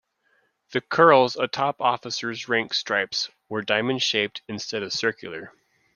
The "curls" atop officers' rank stripes were diamond-shaped instead of circular.